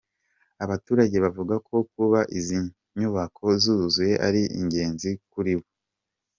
Abaturage bavuga ko kuba izi nyubako zuzuye ari ingenzi kuri bo.